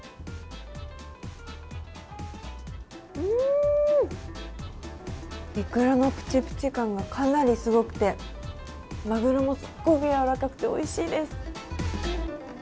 うーん、イクラのプチプチ感がかなりすごくてまぐろもすっごくやわらかくて、おいしいです。